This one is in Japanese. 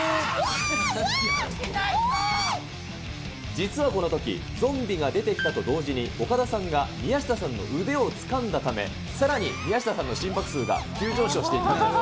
実はこのとき、ゾンビが出てきたと同時に、岡田さんが宮下さんの腕をつかんだため、さらに宮下さんの心拍数が急上昇していたんです。